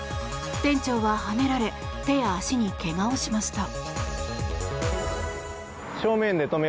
店長は、はねられ手や足にけがをしました。